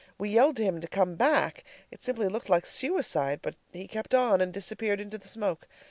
We yelled to him to come back. It simply looked like suicide; but he kept on, and disappeared into the smoke.